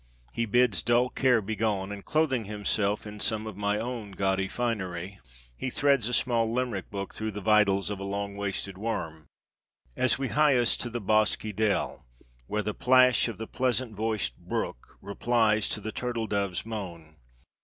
He bids dull care begone, and clothing himself in some of my own gaudy finery he threads a small Limerick hook through the vitals of a long waisted worm, as we hie us to the bosky dell where the plash of the pleasant voiced brook replies to the turtle dove's moan.